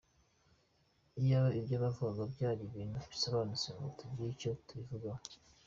Iyaba ibyo bavugaga byari ibintu bisobanutse ngo tugire icyo tubivugaho.